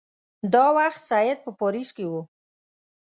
دا وخت سید په پاریس کې وو.